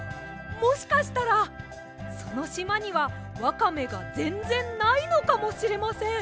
もしかしたらそのしまにはわかめがぜんぜんないのかもしれません！